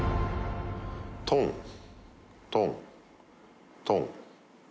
トントントン。